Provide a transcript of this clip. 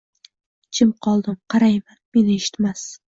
Jim qoldim. Qarayman. Meni eshitmas